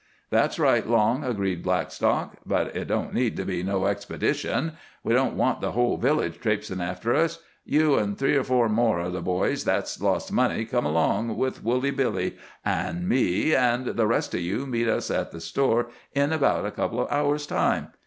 "That's right, Long," agreed Blackstock, "but it don't need to be no expedition. We don't want the whole village traipsin' after us. You an' three or four more o' the boys that's lost money come along, with Woolly Billy an' me, an' the rest o' you meet us at the store in about a couple o' hours' time.